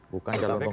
bukan kalau pembunuh